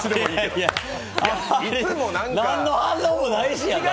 何の反応もないし。